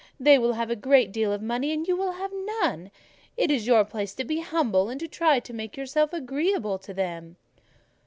They will have a great deal of money, and you will have none: it is your place to be humble, and to try to make yourself agreeable to them."